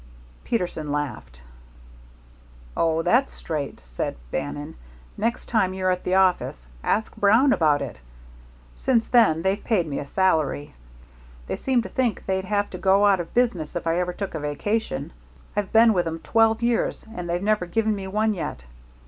Peterson laughed. "Oh, that's straight," said Bannon. "Next time you're at the office, ask Brown about it. Since then they've paid me a salary. They seem to think they'd have to go out of business if I ever took a vacation. I've been with 'em twelve years and they've never given me one yet.